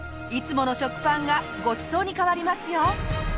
いつもの食パンがごちそうに変わりますよ！